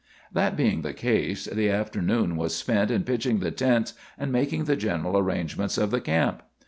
That being the case, the afternoon was spent in pitching the tents and making the general arrangements of the camp.